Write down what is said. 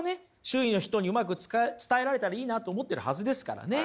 周囲の人にうまく伝えられたらいいなと思ってるはずですからね。